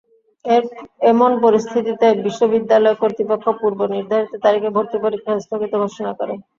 এমন পরিস্থিতিতে বিশ্ববিদ্যালয় কর্তৃপক্ষ পূর্ব নির্ধারিত তারিখে ভর্তি পরীক্ষা স্থগিত ঘোষণা করে।